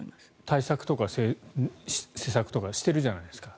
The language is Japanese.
対策とか施策とかしてるじゃないですか。